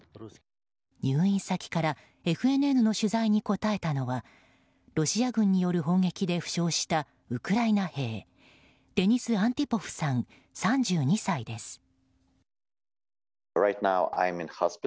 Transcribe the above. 入院先からＦＮＮの取材に答えたのはロシア軍による砲撃で負傷したウクライナ兵デニス・アンティポフさん３２歳です。